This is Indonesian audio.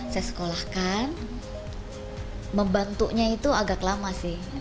saya sekolahkan membantunya itu agak lama sih